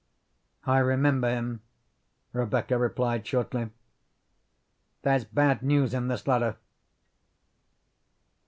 "I remember him," Rebecca replied shortly. "There's bad news in this letter."